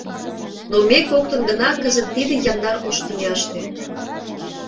Но ме коктын гына кызыт тиде яндар ош тӱняште.